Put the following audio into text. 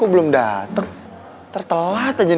udah sekarang kita makan